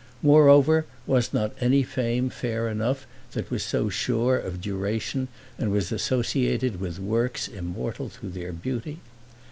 Moreover was not any fame fair enough that was so sure of duration and was associated with works immortal through their beauty?